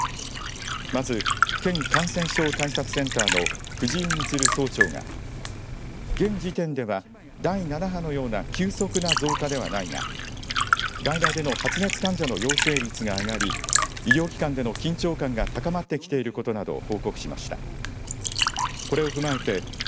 まず県感染症対策センターの藤井充総長が現時点では第７波のような急速な増加ではないが外来での発熱患者の陽性率が上がり医療機関での緊張感が高まってきていることなどを報告しました。